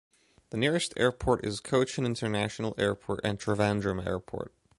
The nearest airport is Cochin International Airport and Trivandrum airport.